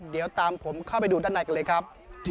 เดี๋ยวตามผมเข้าไปดูด้านในกันเลยครับ